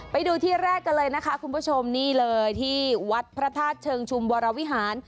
ไปดูที่แรกกันเลยนะคะคุณผู้ชมนี่เลยที่วัดพระธาตุเชิงชุมวรวิหาร